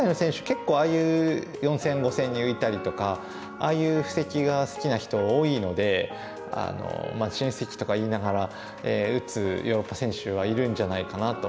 結構ああいう４線５線に浮いたりとかああいう布石が好きな人多いので新布石とか言いながら打つヨーロッパ選手はいるんじゃないかなと思います。